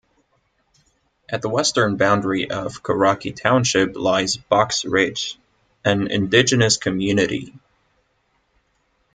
At the western boundary of Coraki township lies Box Ridge, an indigenous community.